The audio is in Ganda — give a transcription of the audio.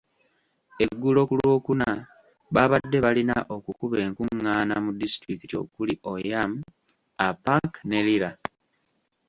Eggulo ku Lwokuna, baabadde balina okukuba enkung'aana mu disitulikiti okuli; Oyam, Apac ne Lira.